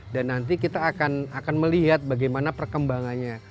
dan nanti kita akan melihat bagaimana perkembangannya